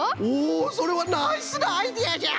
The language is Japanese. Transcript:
おそれはナイスなアイデアじゃ！